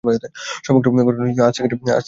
সমগ্র ঘটনাটি আধ সেকেণ্ডের ব্যাপার মাত্র।